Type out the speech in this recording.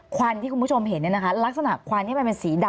ควันที่คุณผู้ชมเห็นลักษณะควันนี้มันเป็นสีดำ